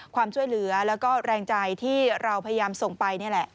ความช่วยเหลือแล้วก็แรงใจที่เราพยายามส่งไปนี่แหละ